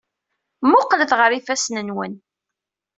Mmuqqlet ɣer yifassen-nwen.